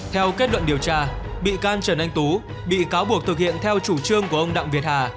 theo kết luận điều tra bị can trần anh tú bị cáo buộc thực hiện theo chủ trương của ông đặng việt hà